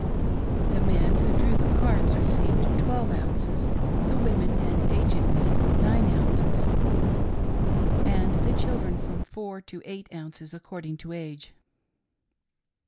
The men who drew the carts received twelve ounces, the women and aged men, nine ounces, and the children from four to eight ounces according to age.